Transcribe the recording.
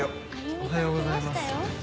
おはようございます。